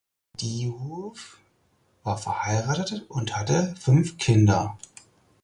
Diouf war verheiratet und hatte fünf Kinder.